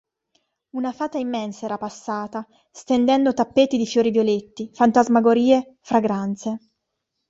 Una fata immensa era passata, stendendo tappeti di fiori violetti, fantasmagorie, fragranze.